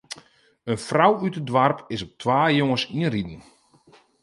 In frou út it doarp is op twa jonges ynriden.